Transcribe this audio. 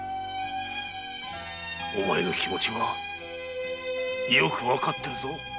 お前の気持ちはよく判ってるぞ。